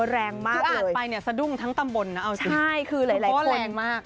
แรงมากเลยคืออาจไปเนี่ยสะดุ้งทั้งตำบลนะเอาจริงโทษแรงมาก